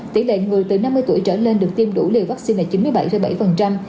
tỷ lệ người từ năm mươi tuổi trở lên được tiêm đủ liều vaccine là chín mươi bảy bảy